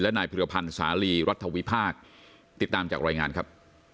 นายพิรพันธ์สาลีรัฐวิพากษ์ติดตามจากรายงานครับ